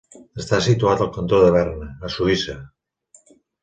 Està situat al cantó de Berna, a Suïssa.